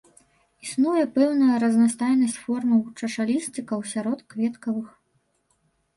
Існуе пэўная разнастайнасць формаў чашалісцікаў сярод кветкавых.